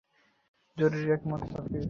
জুরিরা একমত হতে পেরেছেন।